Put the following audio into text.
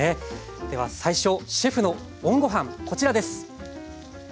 では最初シェフのＯＮごはんこちらです！